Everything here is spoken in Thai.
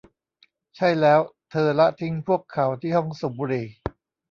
ใช่แล้วเธอละทิ้งพวกเขาที่ห้องสูบบุหรี่